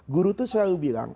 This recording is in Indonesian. guru itu selalu bilang